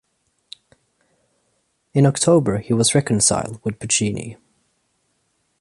In October he was reconciled with Puccini.